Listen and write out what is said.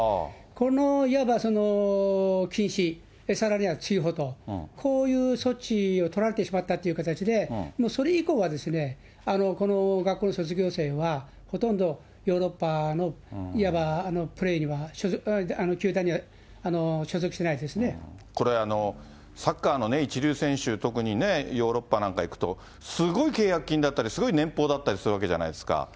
このいわば禁止、さらには追放と、こういった措置を取られてしまったという形で、それ以降は、この学校の卒業生は、ほとんどヨーロッパのいわばプレーには、これ、サッカーの一流選手、特にね、ヨーロッパなんか行くと、すごい契約金だったり、すごい年俸だったりするわけじゃないですか。